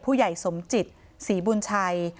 ผู้ใหญ่สมจิตศรีบุญชัย